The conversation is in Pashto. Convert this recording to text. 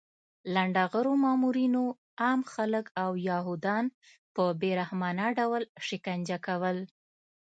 لنډغرو مامورینو عام خلک او یهودان په بې رحمانه ډول شکنجه کول